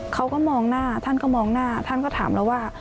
เขาก็มองหน้าท่านก็มองหน้าท่านก็ถามเราว่า